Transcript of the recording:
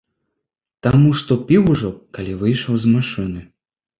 Таму што піў ужо калі выйшаў з машыны.